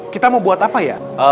kita mau buat apa ya